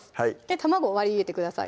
卵割り入れてください